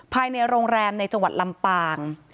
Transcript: ภายในโรงแรมในจังหวัดลำปาง